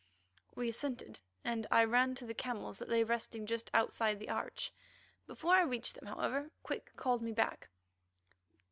We assented, and I ran to the camels that lay resting just outside the arch. Before I reached them, however, Quick called me back.